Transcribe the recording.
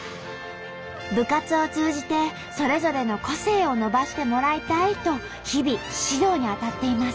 部活を通じてそれぞれの個性を伸ばしてもらいたいと日々指導に当たっています。